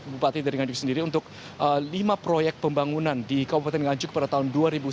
bupati teringanjuk sendiri untuk lima proyek pembangunan di kabupaten teringanjuk pada tahun dua ribu sembilan